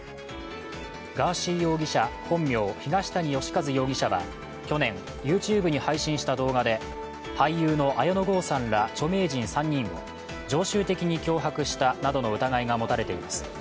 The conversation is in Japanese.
ガーシー容疑者、本名東谷義和容疑者は去年、ＹｏｕＴｕｂｅに配信した動画で俳優の綾野剛さんら著名人３人を常習的に脅迫したなどの疑いが持たれています。